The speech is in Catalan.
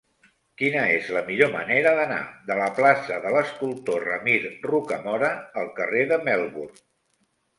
Quina és la millor manera d'anar de la plaça de l'Escultor Ramir Rocamora al carrer de Melbourne?